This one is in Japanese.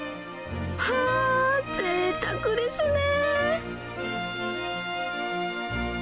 はー、ぜいたくですね。